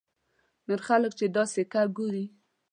نور خلک چې دا سکه ګوري.